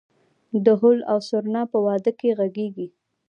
دهل او سرنا په واده کې غږیږي؟